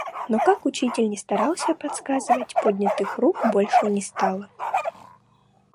Но как учитель не старался подсказывать, поднятых рук больше не стало.